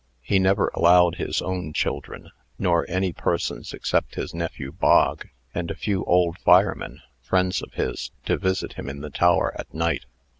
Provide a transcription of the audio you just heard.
He never allowed his own children, nor any persons except his nephew Bog, and a few old firemen, friends of his, to visit him in the tower at night.